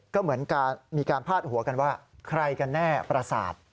ก็เหมือนการมีการพาดหัวกันว่าใครกันแน่ประสาท